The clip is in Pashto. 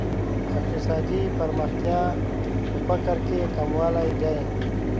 اقتصادي پرمختیا په فقر کې کموالی دی.